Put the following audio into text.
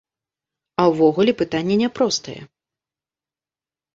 А ўвогуле, пытанне няпростае.